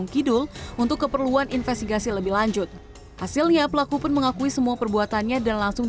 kembungan investigasi lebih lanjut hasilnya pelaku pun mengakui semua perbuatannya dan langsung